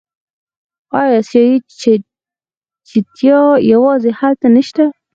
آیا اسیایي چیتا یوازې هلته نشته؟